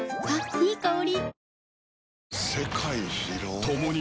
いい香り。